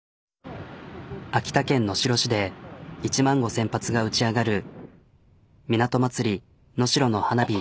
秋田県能代市で１万５、０００発が打ち上がる港まつり能代の花火。